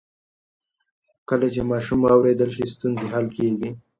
کله چې ماشوم واورېدل شي، ستونزې حل کېږي.